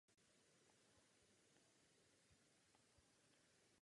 Tak tomu bylo například u dokumentace života amerických indiánů.